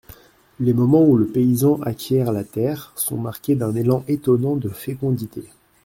Les moments où le paysan acquiert la terre, sont marqués d'un élan étonnant de fécondité.